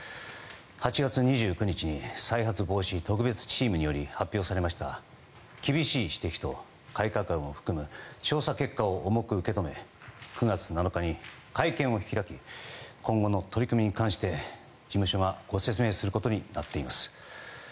８月２９日に再発防止特別チームにより発表されました厳しい指摘と改革案を含む調査結果を重く受け止め９月７日に会見を開き今後の取り組みに関して事務所がご説明することになっています。